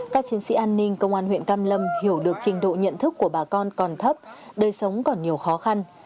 các chiến sĩ an ninh công an huyện cam lâm hiểu được trình độ nhận thức của bà con còn thấp đời sống còn nhiều khó khăn